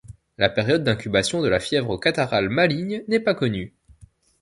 La période d’incubation de la fièvre catarrhale maligne n'est pas connue.